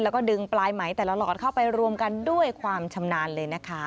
แล้วก็ดึงปลายไหมแต่ละหลอดเข้าไปรวมกันด้วยความชำนาญเลยนะคะ